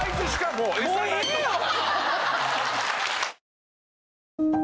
もうええやろ！